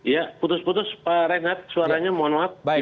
ya putus putus pak renhat suaranya mohon maaf